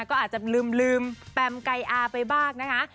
ก็อาจจะลืมแปมไก่อาไปบ้างนะคะ